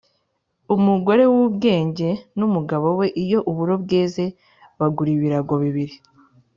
Umugore w’ubwenge n’umugabo we iyo uburo bweze bagura ibirago bibiri.